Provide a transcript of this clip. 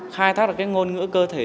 khai thác được cái ngôn ngữ cơ thể